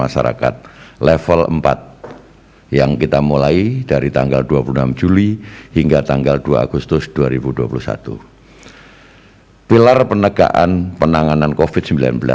salar penegaan penanganan covid sembilan belas